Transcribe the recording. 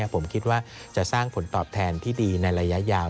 ผมคิดว่าจะสร้างผลตอบแทนที่ดีในระยะยาว